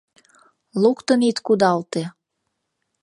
Луктын ит кудалте!